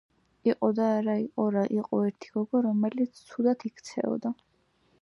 იყო და არა იყო რა იყო ერთ გოგო რომელიც ცუდად იქცეოდა